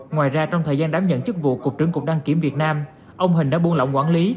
ngoài ra trong thời gian đảm nhận chức vụ cục trưởng cục đăng kiểm việt nam ông hình đã buôn lỏng quản lý